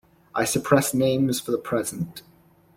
I suppress names for the present.